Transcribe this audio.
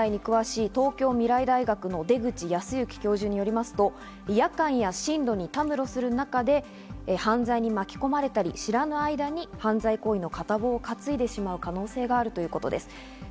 未成年の非行問題に詳しい東京未来大学の出口保行教授によりますと、夜間や深夜にたむろする中で、犯罪に巻き込まれたり、知らない間に犯罪行為の片棒を担いでしまう可能性があるということです。